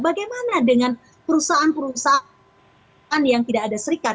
bagaimana dengan perusahaan perusahaan yang tidak ada serikat